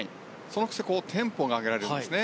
そのくせテンポが上げられるんですね